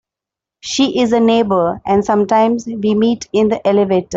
She is a neighbour, and sometimes we meet in the elevator.